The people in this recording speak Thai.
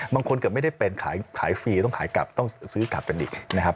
บางคนเกือบไม่ได้เป็นขายฟรีต้องขายกลับต้องซื้อกลับกันอีกนะครับ